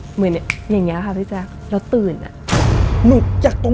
เหมือนอย่างนี้ค่ะพี่แจ๊ค